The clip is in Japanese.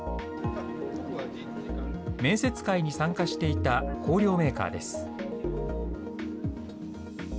面接会に参加していた香料メーカーです。